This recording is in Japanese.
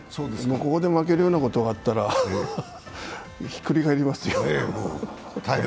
ここで負けるようなことがあったらひっくり返りますよ。